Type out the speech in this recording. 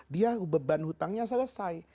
dia beban hutangnya selesai